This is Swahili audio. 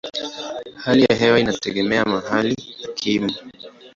Hali ya hewa inategemea mahali na kimo.